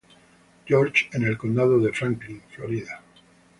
George en el condado de Franklin, Florida.